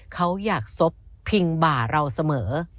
เขาอยากซบพิงบ่าเราเสมอ